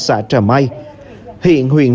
xã trà mai hiện huyện